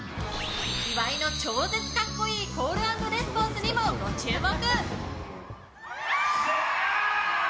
岩井の超絶格好いいコール＆レスポンスにもご注目。